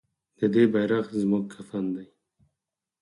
د دې بیرغ زموږ کفن دی؟